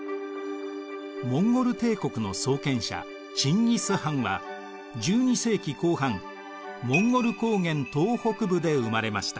モンゴル帝国の創建者チンギス・ハンは１２世紀後半モンゴル高原東北部で生まれました。